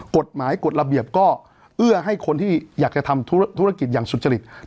กฎหมายกฎระเบียบก็เอื้อให้คนที่อยากจะทำธุรกิจอย่างสุจริต